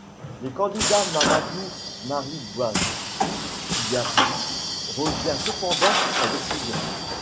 Le candidat Mamadou Maribatrou Diaby revient cependant sur sa décision.